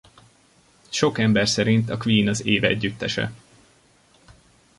Sok ember szerint a Queen az év együttese.